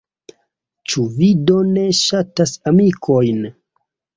Ĉu vi do ne ŝatas amikojn?